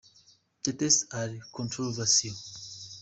The tests are controversial.